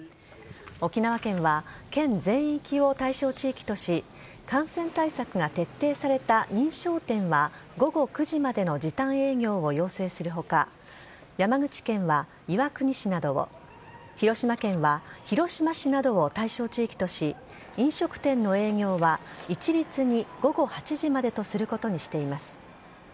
沖縄県は県全域を対象地域とし感染対策が徹底された認証店は午後９時までの時短営業を要請する他山口県は岩国市などを広島県は広島市などを対象地域とし飲食店の営業は一律に午後８時までとすることにしています。